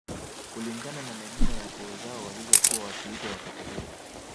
Kulingana na majina ya koo zao walizokuwa wakiitwa wakati huo